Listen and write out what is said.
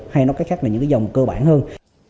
hay nó khác khác là những cái dòng cơ bản hơn